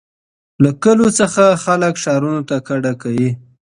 له کلیو څخه خلک ښارونو ته کډه کوي.